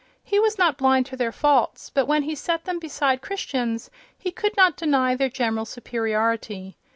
He was not blind to their faults, but when he set them beside Christians he could not deny their general superiority.